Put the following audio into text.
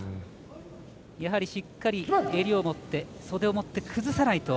やはりしっかり襟を持って袖を持って崩さないと。